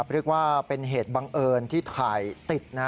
เรียกว่าเป็นเหตุบังเอิญที่ถ่ายติด